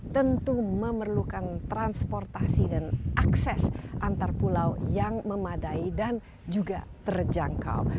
tentu memerlukan transportasi dan akses antar pulau yang memadai dan juga terjangkau